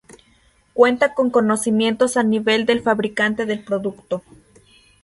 Cuenta con conocimientos a nivel del fabricante del producto.